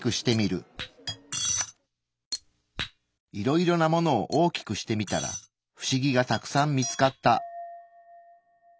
いろいろなものを大きくしてみたらフシギがたくさん見つかった。